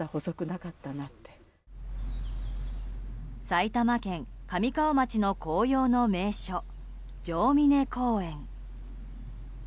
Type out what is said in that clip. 埼玉県神川町の紅葉の名所、城峯公園。